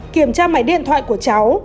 kiểm tra máy điện thoại của cháu